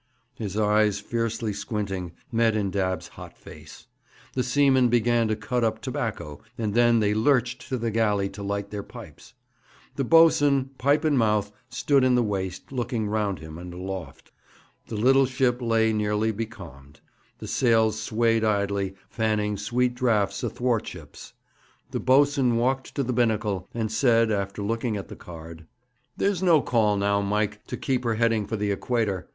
His eyes, fiercely squinting, met in Dabb's hot face. The seamen began to cut up tobacco, and then they lurched to the galley to light their pipes. The boatswain, pipe in mouth, stood in the waist, looking round him and aloft. The little ship lay nearly becalmed. The sails swayed idly, fanning sweet draughts athwartships. The boatswain walked to the binnacle, and said, after looking at the card: 'There's no call now, Mike, to keep her heading for the Equator.